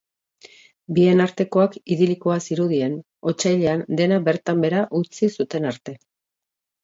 Bien artekoak idilikoa zirudien, otsailean dena bertan behera utzi zuten arte.